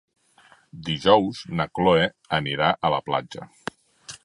Dijous na Cloè anirà a la platja.